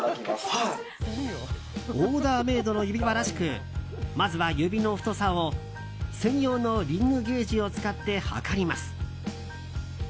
オーダーメイドの指輪らしくまずは指の太さを専用のリングゲージを使って測ります。